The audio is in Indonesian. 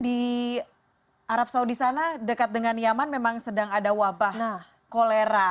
di arab saudi sana dekat dengan yaman memang sedang ada wabah kolera